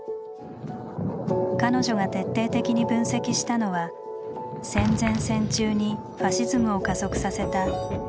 彼女が徹底的に分析したのは戦前・戦中にファシズムを加速させた人々の「孤独」でした。